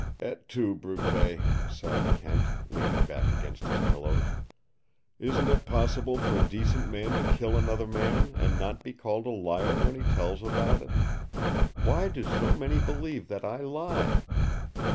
"Et tu, Brute!" sighed Kent, leaning back against his pillows. "Isn't it possible for a decent man to kill another man and not be called a liar when he tells about it? Why do so many believe that I lie?"